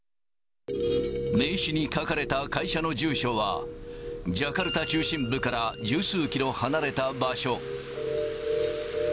名刺に書かれた会社の住所は、ジャカルタ中心部から十数キロ離れた場所。